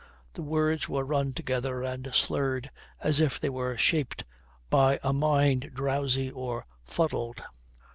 The words were run together and slurred as if they were shaped by a mind drowsy or fuddled.